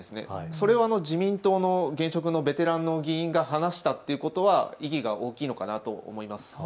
それを自民党の現職のベテランの議員が話したということは意義が大きいのかなと思います。